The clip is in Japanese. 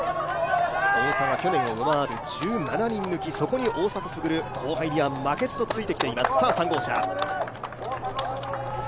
太田が去年を上回る１７人抜き、そこに大迫傑、後輩には負けじとついてきています。